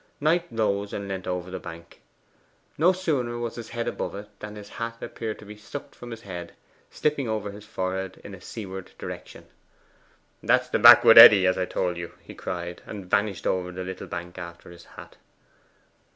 Knight rose and leant over the bank. No sooner was his head above it than his hat appeared to be sucked from his head slipping over his forehead in a seaward direction. 'That's the backward eddy, as I told you,' he cried, and vanished over the little bank after his hat.